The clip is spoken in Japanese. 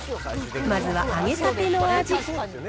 まずは揚げたての味。